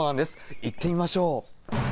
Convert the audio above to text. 行ってみましょう。